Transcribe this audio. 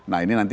nah ini nanti